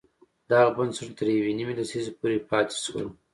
دغه بنسټونه تر یوې نیمې لسیزې پورې پاتې شول.